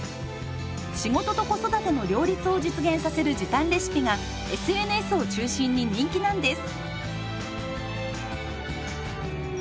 仕事と子育ての両立を実現させる時短レシピがＳＮＳを中心に人気なんです。